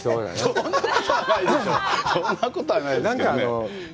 そんなことはないですけどね。